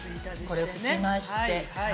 これ、拭きまして。